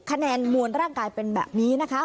คะแนนมวลร่างกายเป็นแบบนี้นะคะ